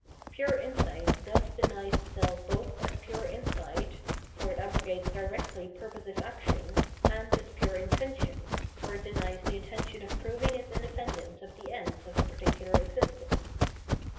Pure insight thus denies itself both as pure insight, — for it abrogates directly purposive action, and as pure intention, — for it denies the intention of proving its independence of the ends of particular existence.